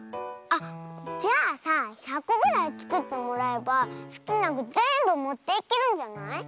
あっじゃあさ１００こぐらいつくってもらえばすきなぐぜんぶもっていけるんじゃない？